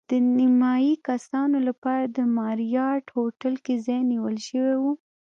د نیمایي کسانو لپاره د ماریاټ هوټل کې ځای نیول شوی و.